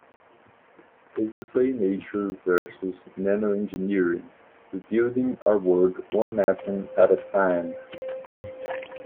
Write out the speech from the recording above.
His essay Nature versus Nanoengineering: Rebuilding our world one atom at a time.